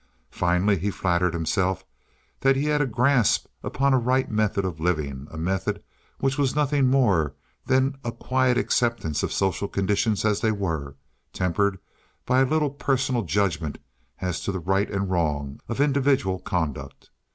Finally, he flattered himself that he had a grasp upon a right method of living, a method which was nothing more than a quiet acceptance of social conditions as they were, tempered by a little personal judgment as to the right and wrong of individual conduct.